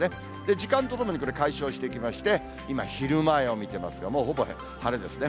時間とともにこれ、解消していきまして、今、昼前を見てますが、もうほぼ晴れですね。